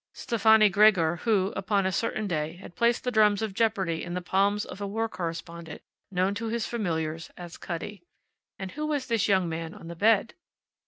Stefani Gregor, who, upon a certain day, had placed the drums of jeopardy in the palms of a war correspondent known to his familiars as Cutty. And who was this young man on the bed?